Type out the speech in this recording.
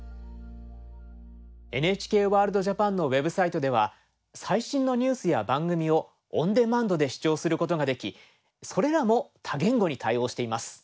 「ＮＨＫワールドＪＡＰＡＮ」のウェブサイトでは最新のニュースや番組をオンデマンドで視聴することができそれらも多言語に対応しています。